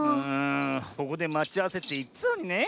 ここでまちあわせっていってたのにねえ